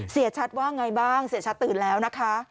เสียชัดว่าไงบ้างเสียชัดตื่นแล้วนะคะ